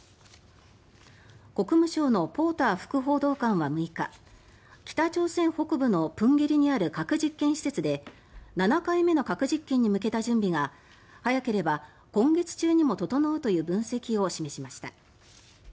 国務省のポーター副報道官は６日北朝鮮北部のプンゲリにある核実験施設で７回目の核実験に向けた準備が早ければ今月中にも整うという分析を示しました。